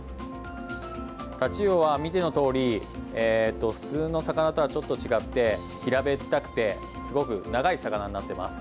タチウオは見てのとおり普通の魚とはちょっと違って平べったくてすごく長い魚になってます。